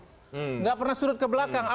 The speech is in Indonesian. tidak pernah surut ke belakang